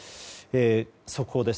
速報です。